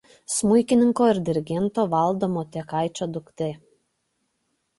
Smuikininko ir dirigento Vlado Motiekaičio duktė.